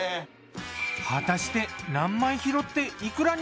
果たして何枚拾っていくらに？